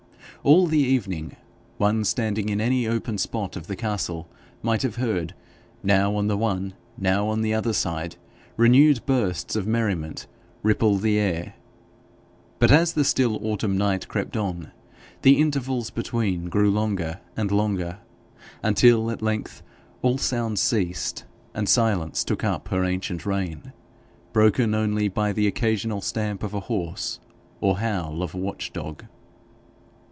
All the evening, one standing in any open spot of the castle might have heard, now on the one, now on the other side, renewed bursts of merriment ripple the air; but as the still autumn night crept on, the intervals between grew longer and longer, until at length all sounds ceased, and silence took up her ancient reign, broken only by the occasional stamp of a horse or howl of a watch dog.